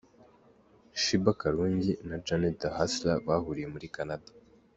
Sheebah Karungi na JeantheHustla bahuriye muri Canada.